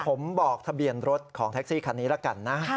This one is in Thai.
ผมบอกทะเบียนรถของแท็กซี่คันนี้ละกันนะ